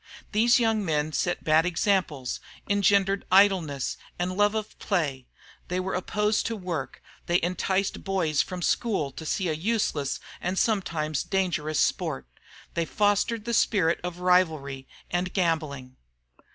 These young men set bad examples, engendered idleness and love of play, they were opposed to work, they enticed boys from school to see a useless and sometimes dangerous sport, they fostered the spirit of rivalry, of gambling.